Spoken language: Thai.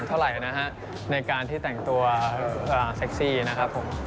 เท่าไหร่นะฮะในการที่แต่งตัวเซ็กซี่นะครับผม